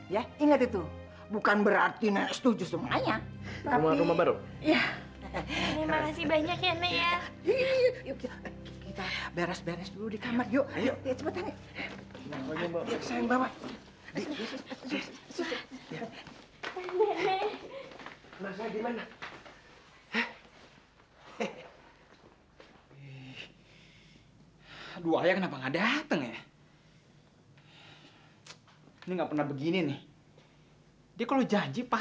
ya gak bisa dong maksud saya enakin begitu aja